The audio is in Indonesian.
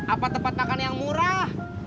apa tempat makan yang murah